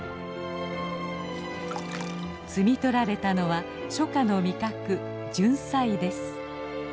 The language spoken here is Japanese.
摘み取られたのは初夏の味覚「ジュンサイ」です。